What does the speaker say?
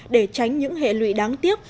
để tránh những hệ lụy đáng tiếc